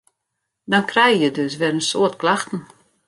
Dan krije je dus wer in soad klachten.